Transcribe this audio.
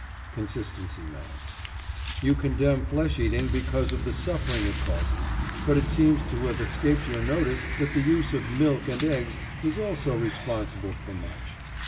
CONSISTENCY MAN: You condemn flesh eating because of the suffering it causes, but it seems to have escaped your notice that the use of milk and eggs is also responsible for much.